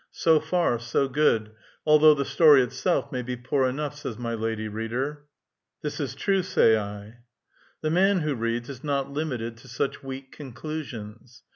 So far, so good, although the story itself may be poor enough," says my lady reader. ''This is true,'* say I. The man who reads is not limited to such weak conclusions.